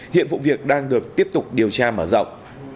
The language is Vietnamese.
hiện vụ việc đang được tiếp tục điều tra mở rộng